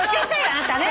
あなたね！